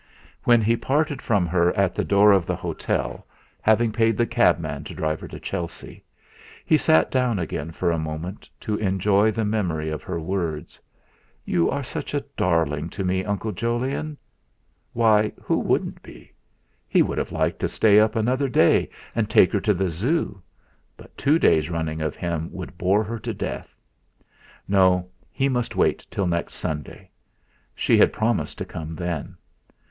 When he parted from her at the door of the hotel, having paid the cabman to drive her to Chelsea, he sat down again for a moment to enjoy the memory of her words: "You are such a darling to me, Uncle Jolyon!" Why! Who wouldn't be! He would have liked to stay up another day and take her to the Zoo, but two days running of him would bore her to death. No, he must wait till next Sunday; she had promised to come then.